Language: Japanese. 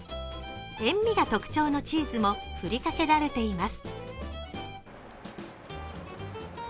塩味が特徴のチーズもふりかけられています。